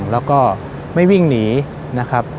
แล้วก็ไม่วิ่งหนีนะครับ